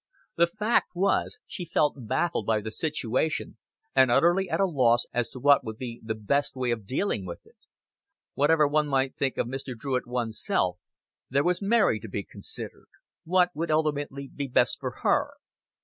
The fact was, she felt baffled by the situation and utterly at a loss as to what would be the best way of dealing with it. Whatever one might think of Mr. Druitt one's self, there was Mary to be considered. What would ultimately be best for her?